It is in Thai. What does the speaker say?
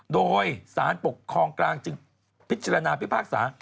โดยสารปกครองกลางจึงพิจารณาพิพากษา